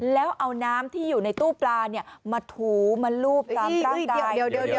แล้วเอาน้ำที่อยู่ในตู้ปลามาถูมาลูบตามร่างกาย